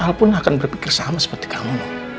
alpun akan berpikir sama seperti kamu